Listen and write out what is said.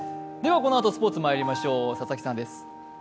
このあとスポーツまいりましょう、佐々木さんです。